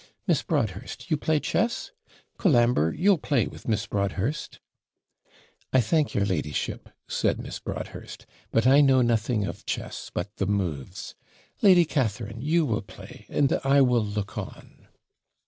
Miss Broadhurst, you play chess? Colambre, you'll play with Miss Broadhurst ' 'I thank your ladyship,' said Miss Broadhurst, 'but I know nothing of chess, but the moves. Lady Catharine, you will play, and I will look on.'